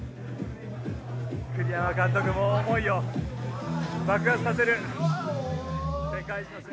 栗山監督も思いを爆発させる世界一の瞬間。